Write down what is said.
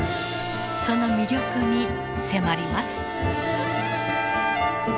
その魅力に迫ります。